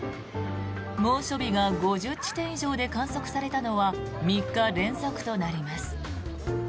猛暑日が５０地点以上で観測されたのは３日連続となります。